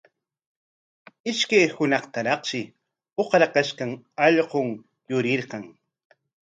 Ishkay hunaqtaraqshi uqrakashqan allqun yurirqan.